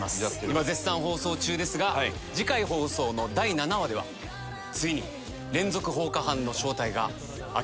今絶賛放送中ですが次回放送の第７話ではついに連続放火犯の正体が明らかになります。